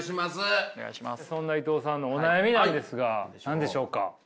そんな伊藤さんのお悩みなんですが何でしょうか。